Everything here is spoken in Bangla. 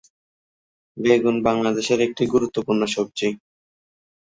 বেগুন বাংলাদেশের একটি গুরুত্বপূর্ণ সবজি।